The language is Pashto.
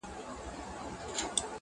o مین دي کړم خو لېونی دي نه کړم,